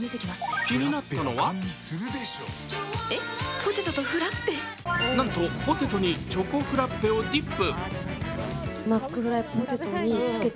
気になったのはなんと、ポテトにチョコフラッペをディップ。